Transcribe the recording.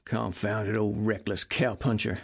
"Confounded old reckless cowpuncher!"